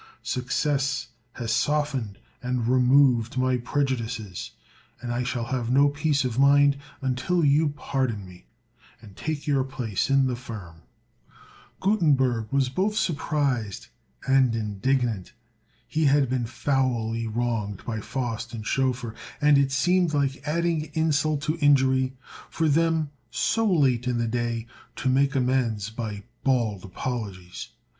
Success has softened and removed my prejudices; and I shall have no peace of mind until you pardon me, and take your place in the firm." Gutenberg was both surprised and indignant. He had been foully wronged by Faust and Schoeffer, and it seemed like adding insult to injury for them so late in the day to make amends by bald apologies.